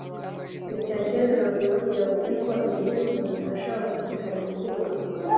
Maj Gen Biwott yavuze ko iyi myitozo ifasha abasirikare guhura